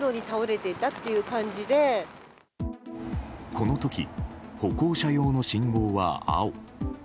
この時、歩行者用の信号は青。